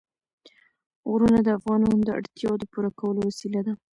غرونه د افغانانو د اړتیاوو د پوره کولو وسیله ده.